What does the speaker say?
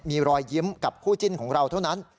มีรอยยิ้มกับคู่จิ้นของเราเท่านั้น